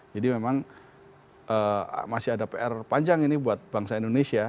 jadi memang masih ada pr panjang ini buat bangsa indonesia